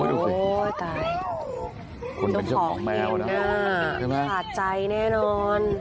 โอ้โหตายคุณเป็นเจ้าของแมวนะห่าใจแน่นอน